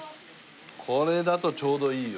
これだとちょうどいいよね。